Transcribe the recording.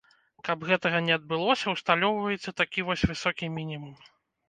Каб гэтага не адбылося, усталёўваецца такі вось высокі мінімум.